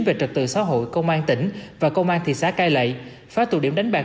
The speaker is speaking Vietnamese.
về trật tự xã hội công an tỉnh và công an thị xã cai lệ phá tụ điểm đánh bạc